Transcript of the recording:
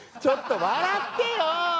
ちょっと笑ってよ。